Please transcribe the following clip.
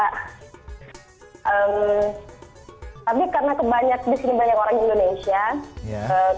tapi karena kebanyakan di sini banyak orang di indonesia